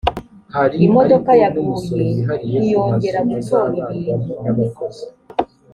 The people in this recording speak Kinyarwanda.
imodoka yaguye ntiyongera gutora ibintu.